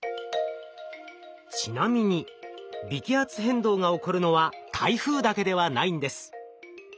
ちなみに微気圧変動が起こるのは台風だけではないんです。